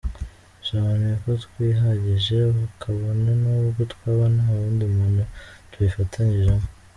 Bisobanuye ko twihagije kabone n’ubwo twaba nta wundi muntu tubifatanyijemo”.